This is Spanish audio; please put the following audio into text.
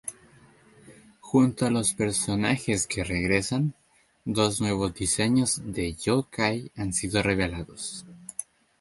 Junto a los personajes que regresan, dos nuevos diseños de Yo-kai han sido revelados.